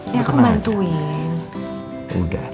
ya aku nantikan